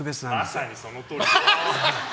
まさにそのとおり。